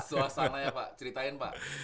suasana ya pak ceritain pak